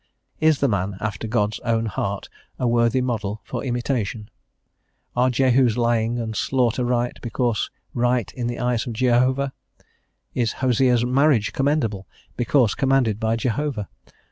Is the man after God's own heart a worthy model for imitation? Are Jehu's lying and slaughter right, because right in the eyes of Jehovah? Is Hosea's marriage commendable, because commanded by Jehovah?